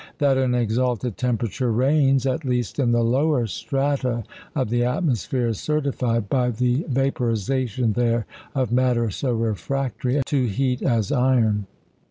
That an exalted temperature reigns, at least in the lower strata of the atmosphere, is certified by the vaporisation there of matter so refractory to heat as iron.